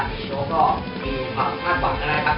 นิชโน้วก็มีความทราบขวางนะครับ